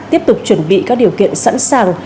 tiếp tục chuẩn bị các điều kiện sẵn sàng